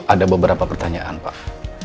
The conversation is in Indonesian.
ada beberapa pertanyaan pak